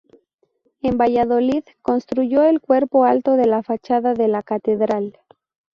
En Valladolid construyó el cuerpo alto de la fachada de la Catedral.